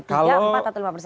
tiga empat atau lima persen